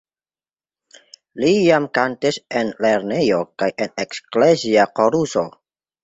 Li jam kantis en lernejo kaj en eklezia koruso.